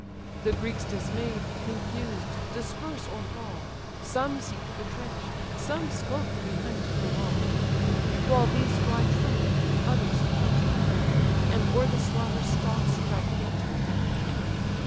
The Greeks dismay'd, confused, disperse or fall, Some seek the trench, some skulk behind the wall. While these fly trembling, others pant for breath, And o'er the slaughter stalks gigantic death.